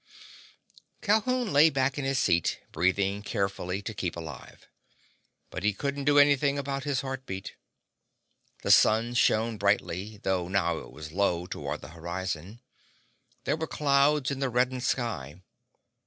Calhoun lay back in his seat, breathing carefully to keep alive. But he couldn't do anything about his heartbeat. The sun shone brightly, though now it was low, toward the horizon. There were clouds in the reddened sky.